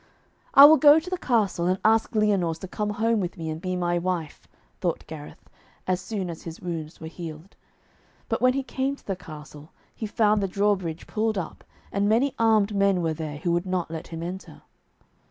'I will go to the castle and ask Lyonors to come home with me and be my wife,' thought Gareth, as soon as his wounds were healed. But when he came to the castle, he found the drawbridge pulled up, and many armed men were there, who would not let him enter.